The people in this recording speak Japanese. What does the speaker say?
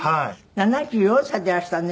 ７４歳でいらしたのね。